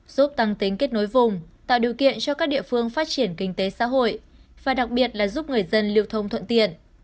giúp tăng tính kết nối vùng tạo điều kiện cho các địa phương phát triển kinh tế xã hội và đặc biệt là giúp người dân lưu thông thuận tiện